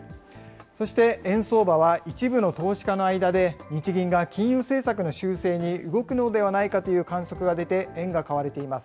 そして円相場は、一部の投資家の間で日銀が金融政策の修正に動くのではないかという観測が出て円が買われています。